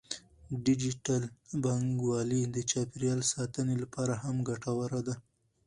ډیجیټل بانکوالي د چاپیریال ساتنې لپاره هم ګټوره ده.